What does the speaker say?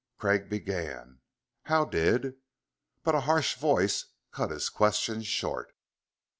Craig began, "How did " but a harsh voice cut his question short.